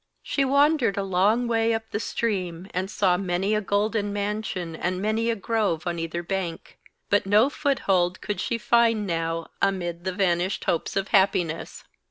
She wandered a long way up the stream, and saw many a golden mansion and many a grove on either bank; but no foothold could she find now amid the vanished hopes of happiness.